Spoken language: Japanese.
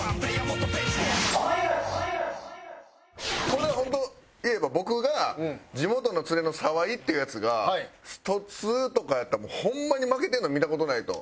これホント言えば僕が地元のツレの澤井っていうヤツが『ストⅡ』とかやったらもうホンマに負けてるの見た事ないと。